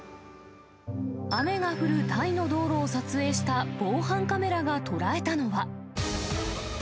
雨が降るタイの道路を撮影した防犯カメラが捉えたのは。